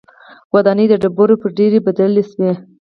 ودانۍ د ډبرو پر ډېرۍ بدلې شوې